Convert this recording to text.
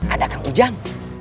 ada kang hujan